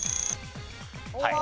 はい。